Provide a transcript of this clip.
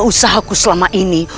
usahaku selama ini